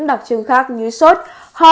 đặc trưng khác như sốt ho